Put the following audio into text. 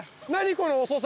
この遅さ。